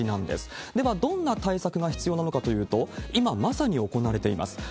では、どんな対策が必要なのかというと、今まさに行われています。